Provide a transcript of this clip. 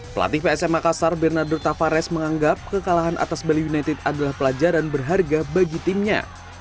pelatih psm makassar bernardor tavares menganggap kekalahan atas bali united adalah pelajaran berharga bagi timnya